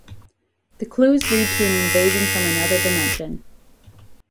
The clues lead to an invasion from another dimension.